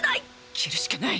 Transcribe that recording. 切るしかない！